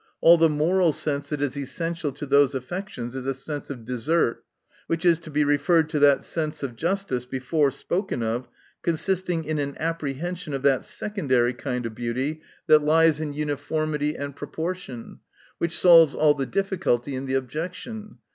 All the moral sense, that is essential to those affections, is a sense of Desert ; which is to be referred to that sense of justice, before spoken of, consisting in an apprehension of that secondary kind of beauty, that lies in uniformity and proportion : which solves all the difficulty in the objection.